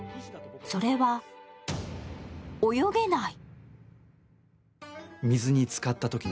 それは、泳げない。